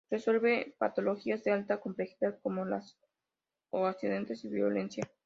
Resuelve patologías de alta complejidad, como las o accidentes y violencia.